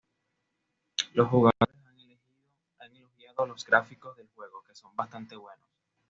Los jugadores han elogiado los gráficos del juego, que son bastante buenos.